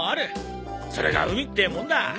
それが海ってもんだ。